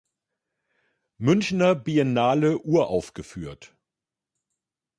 Münchener Biennale uraufgeführt.